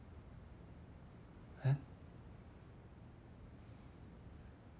えっ？